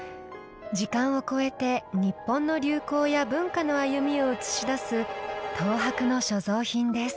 時間を超えて日本の流行や文化の歩みを映し出す東博の所蔵品です。